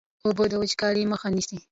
اوبه د وچکالۍ مخه نیسي.